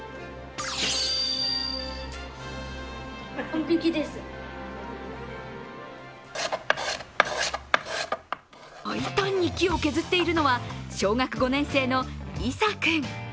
大胆に木を削っているのは小学５年生の一然君。